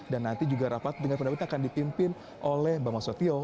nanti juga rapat dengan pendapat akan dipimpin oleh bambang susatyo